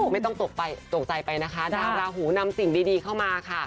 ไม่ต้องตกใจไปนะคะดาวราหูนำสิ่งดีเข้ามาค่ะ